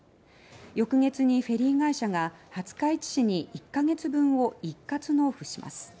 翌月にフェリー会社が廿日市市に１か月分を一括納付します。